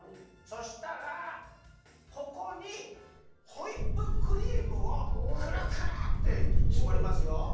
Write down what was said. そしたらここにホイップクリームをくるくるってしぼりますよ。